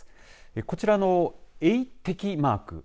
こちらの映適マーク